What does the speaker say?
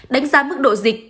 đánh giá mức độ dịch